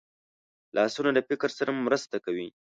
لاسونه له فکر سره مرسته کوي